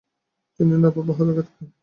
তিনি নবাব বাহাদুর খেতাব পান।